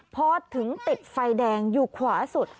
พอถึงติดไฟแดงอยู่ขวาสุด